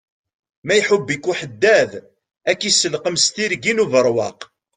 Ma iḥubb-ik uḥeddad, ak iselqem s tirgin ubeṛwaq.